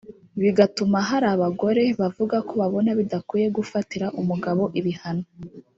bigatuma hari abagore bavuga ko babona bidakwiye gufatira umugabo ibihano